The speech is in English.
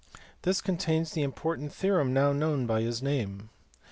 This contains the important theorem now known by his name.